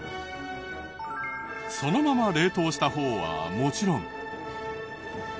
そのまま冷凍した方はもちろん。